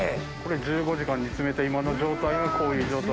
１５時間煮詰めた今の状態がこういう状態で。